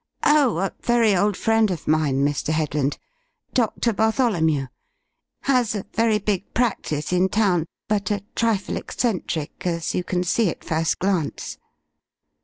"Oh, a very old friend of mine, Mr. Headland. Doctor Bartholomew. Has a very big practice in town, but a trifle eccentric, as you can see at first glance."